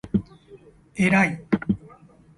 えらい